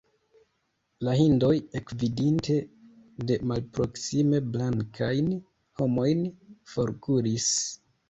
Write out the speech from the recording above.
La hindoj, ekvidinte de malproksime blankajn homojn, forkuris.